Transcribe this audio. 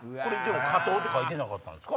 「加糖」と書いてなかったんすか？